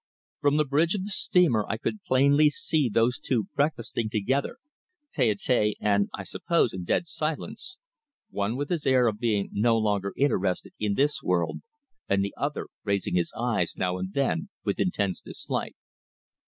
From the bridge of the steamer I could see plainly these two, breakfasting together, tete a tete and, I suppose, in dead silence, one with his air of being no longer interested in this world and the other raising his eyes now and then with intense dislike.